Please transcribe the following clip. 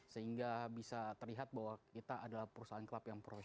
sehingga bisa terlihat bahwa kita adalah perusahaan klub yang profesional